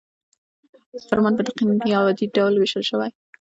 فرمان په تقنیني او عادي ډول ویشل شوی.